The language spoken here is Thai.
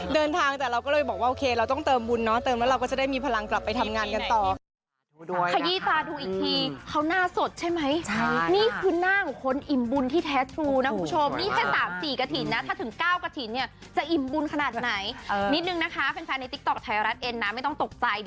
เดินทางแต่เราก็เลยบอกว่าโอเคเราต้องเติมบุญเนาะเติมแล้วเราก็จะได้มีพลังกลับไปทำงานกันต่อค่ะ